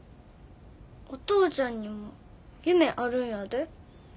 お父ちゃんにも夢あるんやで。